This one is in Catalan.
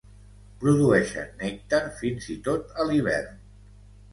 Produeixen nèctar fins i tot a l'hivern.